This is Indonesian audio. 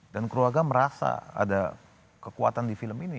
dan keluarga merasa ada kekuatan di film ini